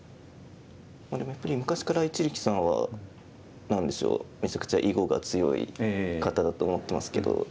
でもやっぱり昔から一力さんは何でしょうめちゃくちゃ囲碁が強い方だと思ってますけど。